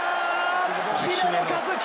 姫野和樹！